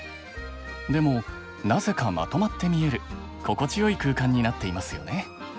でもなぜかまとまって見える心地よい空間になっていますよね。